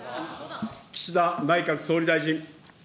岸田内閣総理大臣。